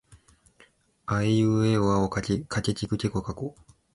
あえいうえおあおかけきくけこかこ